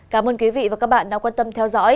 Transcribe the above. cảm ơn quý vị và các bạn đã quan tâm theo dõi